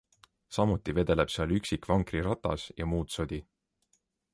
Samuti vedeleb seal üksik vankriratas ja muud sodi.